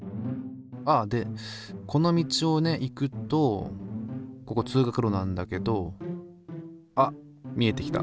ああでこの道をね行くとここ通学路なんだけどあっ見えてきた。